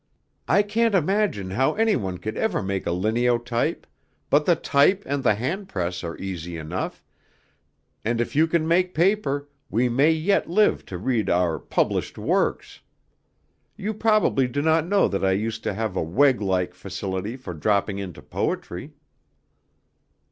I can't imagine how anyone could ever make a lineotype, but the type and the hand press are easy enough, and if you can make paper, we may yet live to read our 'published works.' You probably do not know that I used to have a Wegg like facility for dropping into poetry."